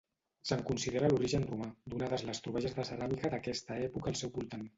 Se'n considera l'origen romà, donades les troballes de ceràmica d'aquesta època al seu voltant.